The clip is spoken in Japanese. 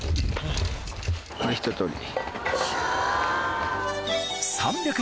これひととおり。